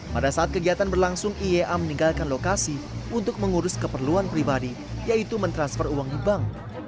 pada saat kegiatan berlangsung iea meninggalkan lokasi untuk mengurus keperluan pribadi yaitu mentransfer uang di bank